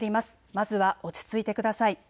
まずは落ち着いてください。